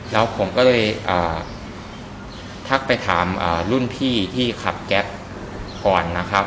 แล้วผมก็เลยทักไปถามรุ่นพี่ที่ขับแก๊ปก่อนนะครับ